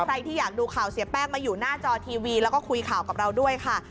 ใครที่อยากดูข่าวเสียแป้งมาอยู่หน้าจอทีวีแล้วก็คุยข่าวกับเราด้วยค่ะ